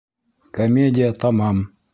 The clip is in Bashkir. Комедия тамам!